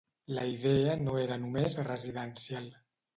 La idea no era només residencial.